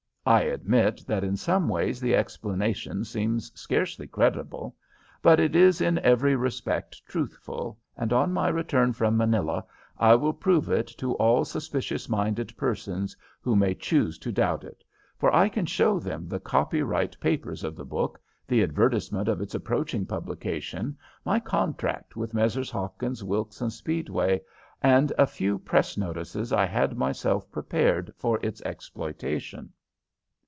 I admit that in some ways the explanation seems scarcely credible, but it is in every respect truthful, and on my return from Manila I will prove it to all suspicious minded persons who may choose to doubt it, for I can show them the copyright papers of the book, the advertisement of its approaching publication, my contract with Messrs. Hawkins, Wilkes and Speedway, and a few press notices I had myself prepared for its exploitation.